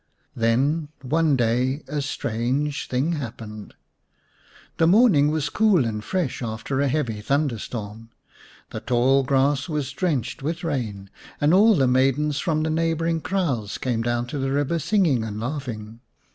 Then one day a strange thing happened. The morning was cool and fresh after a heavy thunderstorm, the tall grass was drenched with rain, and all the maidens from the neighbouring kraals came down to the river singing and laughing.